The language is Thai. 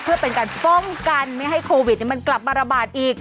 เพื่อเป็นการป้องกันไม่ให้โควิดมันกลับมาระบาดอีก